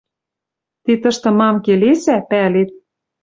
Ти тышты мам келесӓ, пӓлет.